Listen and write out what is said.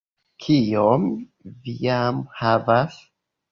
Kiom vi jam havas?